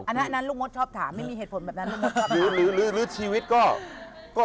อันนั้นลูกมดชอบถามไม่มีเหตุผลมาตรับชีวิตก็